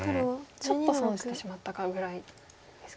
ちょっと損してしまったかぐらいですか？